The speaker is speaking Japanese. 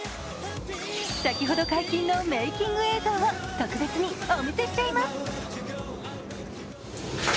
先ほど、解禁のメイキング映像を特別にお見せしちゃいます。